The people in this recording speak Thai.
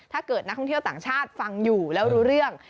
ถ้าเกิดนักท่องเที่ยวต่างชาติฟังอยู่แล้วรู้เรื่อง